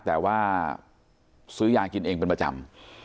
แต่ว่าซื้อยากินเองเป็นประจำ